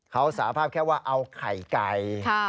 เขาสาภาพแค่ว่าเอาไข่ไก่